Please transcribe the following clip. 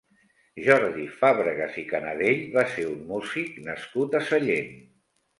Jordi Fàbregas i Canadell va ser un músic nascut a Sallent.